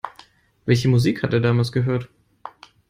Welche Musik hat er damals gehört?